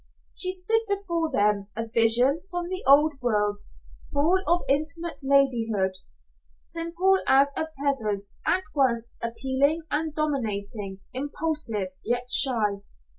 She stood before them, a vision from the old world, full of innate ladyhood, simple as a peasant, at once appealing and dominating, impulsive, yet shy.